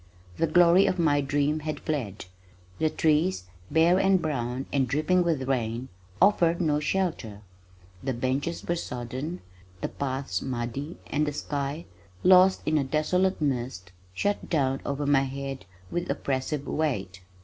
The glory of my dream had fled. The trees, bare and brown and dripping with rain, offered no shelter. The benches were sodden, the paths muddy, and the sky, lost in a desolate mist shut down over my head with oppressive weight.